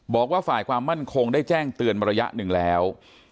บอกว่าฝ่ายความมั่นคงได้แจ้งเตือนมาระยะหนึ่งแล้ว